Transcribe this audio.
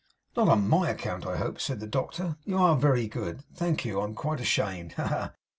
'Not on my account, I hope?' said the doctor. 'You are very good. Thank you. I'm quite ashamed. Ha, ha!